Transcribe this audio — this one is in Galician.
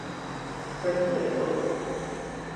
Carecía de todo!